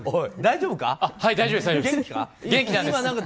大丈夫か？